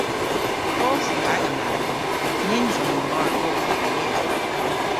Koth yw agan mamm-wynn. Nyns on ni mar goth avelli!